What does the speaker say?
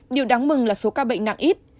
điều đáng mừng là số ca bệnh nặng ít